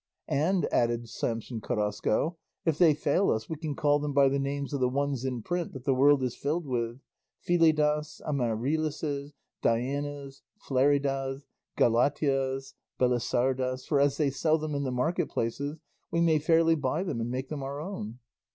"And," added Samson Carrasco, "if they fail us, we can call them by the names of the ones in print that the world is filled with, Filidas, Amarilises, Dianas, Fleridas, Galateas, Belisardas; for as they sell them in the market places we may fairly buy them and make them our own.